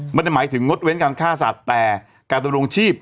ไม่ได้หมายถึงงดเว้นการฆ่าสัตว์แต่การดำรงชีพ